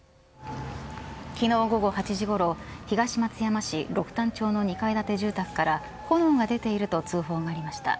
昨日、午後８時ごろ東松山市六反町の２階建て住宅から炎が出ていると通報がありました。